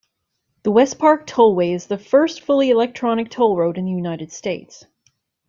The Westpark Tollway is the first fully electronic toll road in the United States.